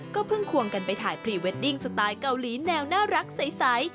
เพิ่งควงกันไปถ่ายพรีเวดดิ้งสไตล์เกาหลีแนวน่ารักใส